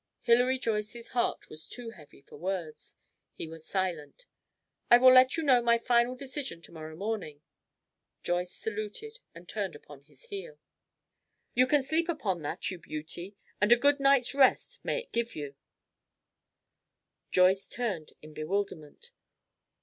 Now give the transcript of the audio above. Hilary Joyce's heart was too heavy for words. He was silent. "I will let you know my final decision to morrow morning." Joyce saluted and turned upon his heel. "You can sleep upon that, you beauty, and a good night's rest may it give you!" Joyce turned in bewilderment.